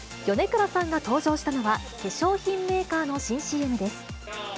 米倉さんが登場したのは、化粧品メーカーの新ＣＭです。